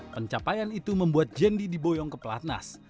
pencapaian itu membuat jendi diboyong ke pelatnas